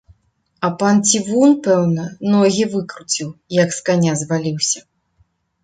А пан цівун, пэўна, ногі выкруціў, як з каня зваліўся.